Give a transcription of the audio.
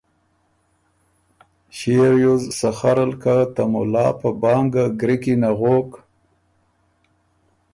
ݭيې ریوز سخرل که ته مُلا په بانګه ګری کی نغوک